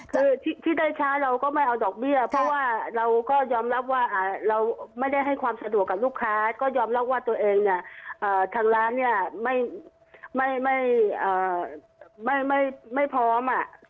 คือที่ได้ช้าเราก็ไม่เอาดอกเบี้ยเพราะว่าเราก็ยอมรับว่าเราไม่ได้ให้ความสะดวกกับลูกค้าก็ยอมรับว่าตัวเองเนี่ยทางร้านเนี่ยไม่พร้อม